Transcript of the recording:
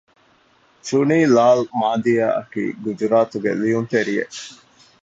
ޗުނީ ލާލް މާދިއާ އަކީ ގުޖުރާތުގެ ލިޔުންތެރިއެއް